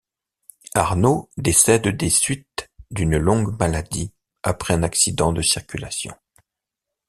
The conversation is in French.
Arno décède des suites d'une longue maladie après un accident de circulation.